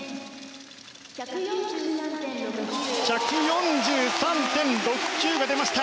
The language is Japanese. １４３．６９が出ました。